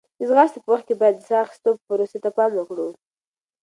د ځغاستې په وخت کې باید د ساه اخیستو پروسې ته پام وکړو.